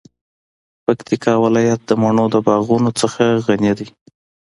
پکتیکا ولایت د مڼو د باغونو نه غنی ده.